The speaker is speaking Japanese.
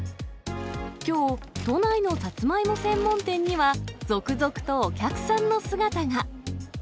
きょう、都内のサツマイモ専門店には、続々とお客さんの姿が。